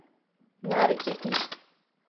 Nari keting!